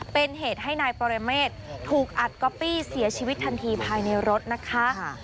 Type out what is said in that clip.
เป็นเหตุให้นายปรเมฆถูกอัดก๊อปปี้เสียชีวิตทันทีภายในรถนะคะ